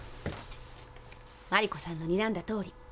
マリコさんのにらんだとおり。